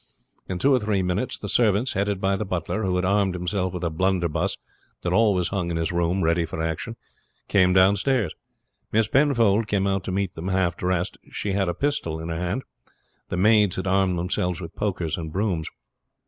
In two or three minutes the servants, headed by the butler, who had armed himself with a blunderbuss that always hung in his room ready for action, came downstairs. Miss Penfold came out to meet them half dressed. She had a pistol in her hand. The maids had armed themselves with pokers and brooms.